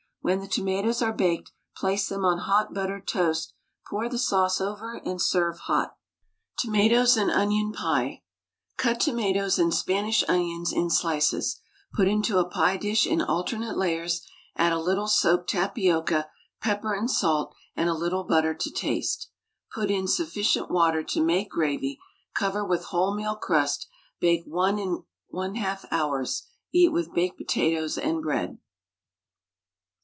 When the tomatoes are baked, place them on hot buttered toast, pour the sauce over, and serve hot. TOMATOES AND ONION PIE. Cut tomatoes and Spanish onions in slices, put into a pie dish in alternate layers, add a little soaked tapioca, pepper and salt, and a little butter to taste. Put in sufficient water to make gravy, cover with wholemeal crust, bake 1 1/2 hours; eat with baked potatoes and bread.